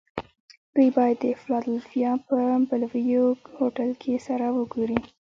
دوی باید د فلادلفیا په بلوویو هوټل کې سره و ګوري